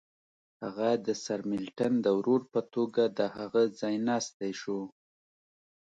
هغه د سرمیلټن د ورور په توګه د هغه ځایناستی شو.